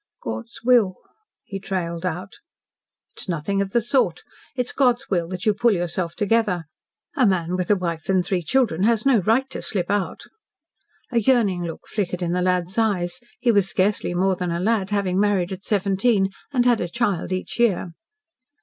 "God's will," he trailed out. "It's nothing of the sort. It's God's will that you pull yourself together. A man with a wife and three children has no right to slip out." A yearning look flickered in the lad's eyes he was scarcely more than a lad, having married at seventeen, and had a child each year.